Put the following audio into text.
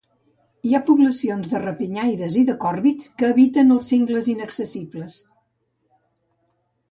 Hi ha poblacions de rapinyaires i de còrvids que habiten els cingles inaccessibles.